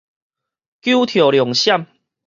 九頭龍閃